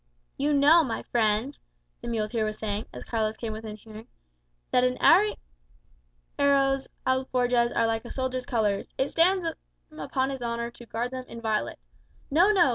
"You know, my friends," the muleteer was saying, as Carlos came within hearing, "an arriero's alforjas[#] are like a soldier's colours, it stands him upon his honour to guard them inviolate. No, no!